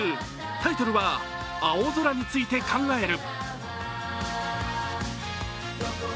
タイトルは「青空について考える」。